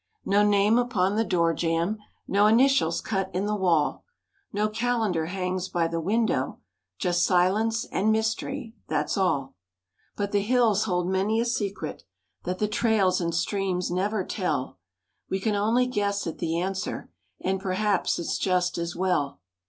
No name upon the door jamb, No initials cut in the wall, No calendar hangs by the window, Just silence and mystery—that's all. But the hills hold many a secret, That the trails and streams never tell, We can only guess at the answer And perhaps it's just as well.